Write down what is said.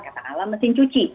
kata alam mesin cuci